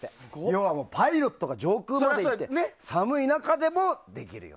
要はパイロットが上空で寒い中でもと。